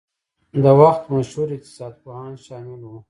د وخت مشهور اقتصاد پوهان شامل وو.